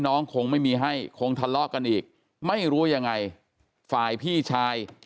คงไม่มีให้คงทะเลาะกันอีกไม่รู้ยังไงฝ่ายพี่ชาย